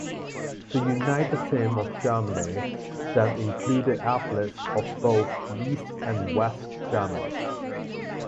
The United Team of Germany then included athletes of both East and West Germany.